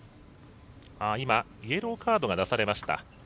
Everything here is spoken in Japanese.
イエローカードが出されました。